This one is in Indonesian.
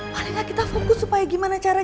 boleh gak kita fokus supaya caranya riri selamat itu